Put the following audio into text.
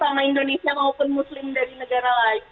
sama indonesia maupun muslim dari negara lain